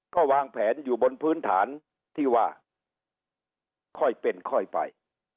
ก็วางแผนอยู่บนพื้นฐานที่ว่าค่อยเป็นค่อยไป